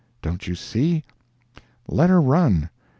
Don't you see?—let her run!